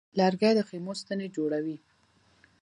لرګی د خیمو ستنې جوړوي.